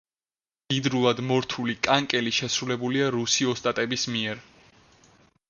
მდიდრულად მორთული კანკელი შესრულებულია რუსი ოსტატების მიერ.